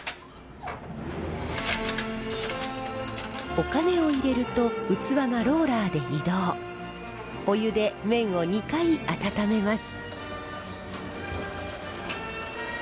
お金を入れると器がローラーで移動お湯で麺を２回温めます。